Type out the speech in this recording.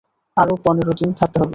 আরও পনেরো দিন থাকতে হবে।